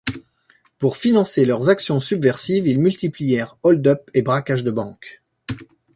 Pour financer leurs actions subversives, ils multiplièrent hold-up et braquages de banques.